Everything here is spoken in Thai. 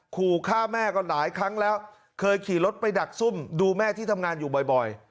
ขู่ฆ่าแม่ก็หลายครั้งแล้วเคยขี่รถไปดักซุ่มดูแม่ที่ทำงานอยู่บ่อย